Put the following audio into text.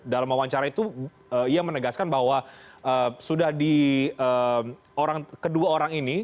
dalam wawancara itu ia menegaskan bahwa sudah di kedua orang ini